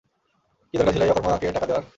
কি দরকার ছিল এই অকর্মা কে টাকা দেওয়ার?